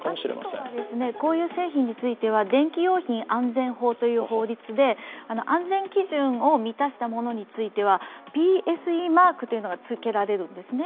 あとはこういう製品については電気用品安全法という法律で安全基準を満たしたものについてはＰＳＥマークというのがつけられるんですね。